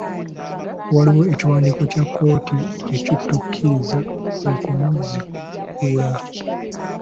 Waliwo ekiwandiiko kya kkooti ekitukkiriza okumuziikula.